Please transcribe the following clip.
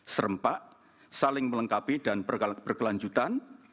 serempak saling melengkapi dan berkelanjutan